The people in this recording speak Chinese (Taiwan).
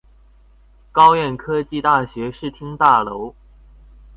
高苑科技大學視聽大樓